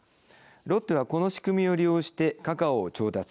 ロッテは、この仕組みを利用してカカオを調達。